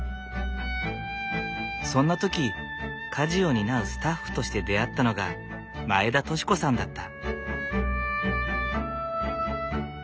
そんな時家事を担うスタッフとして出会ったのが前田敏子さんだった。